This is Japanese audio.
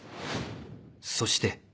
そして